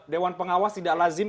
dewan pengawas tidak lazim